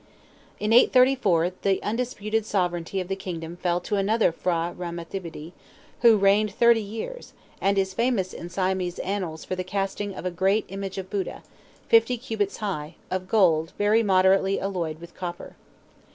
In 834 the undisputed sovereignty of the kingdom fell to another P'hra Rama Thibodi, who reigned thirty years, and is famous in Siamese annals for the casting of a great image of Buddha, fifty cubits high, of gold very moderately alloyed with copper.